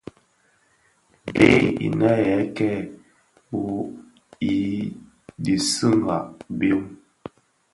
Bèè inë yê kêê wôôgh i digsigha byôm.